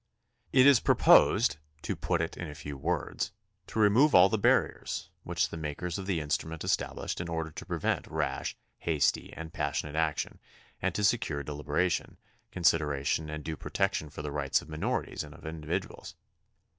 It is proposed, to put it in a few words, to remove all the barriers which the makers of the instrument established in order to prevent rash, hasty, and pas sionate action and to secure deliberation, considera tion, and due protection for the rights of minorities and of individuals.